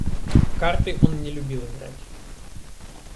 В карты он не любил играть.